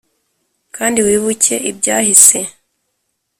kandi wibuke ibyahise,